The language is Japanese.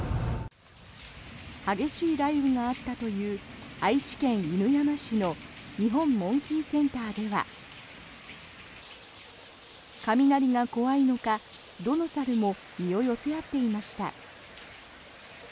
激しい雷雨があったという愛知県犬山市の日本モンキーセンターでは雷が怖いのか、どの猿も身を寄せ合っていました。